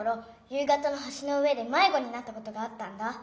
夕方の橋の上で迷子になったことがあったんだ。